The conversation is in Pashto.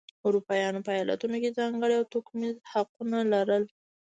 اروپایانو په ایالتونو کې ځانګړي او توکمیز حقونه لرل.